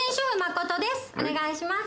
お願いします。